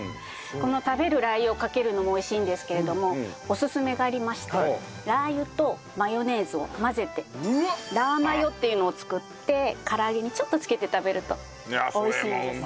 この食べるラー油をかけるのも美味しいんですけれどもオススメがありましてラー油とマヨネーズを混ぜてラーマヨっていうのを作って唐揚げにちょっとつけて食べると美味しいんです。